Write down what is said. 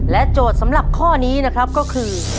โจทย์สำหรับข้อนี้นะครับก็คือ